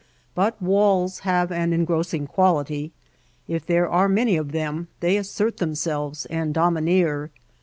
But walls have an engrossing quality. If there are many of them they assert themselves and domi neer.